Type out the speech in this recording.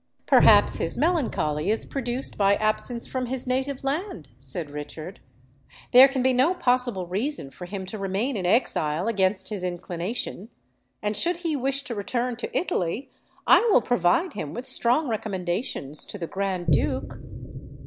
"Perhaps his melancholy is produced by absence from his native land," said Richard. "There can be no possible reason for him to remain in exile against his inclination; and should he wish to return to Italy, I will provide him with strong recommendations to the Grand Duke."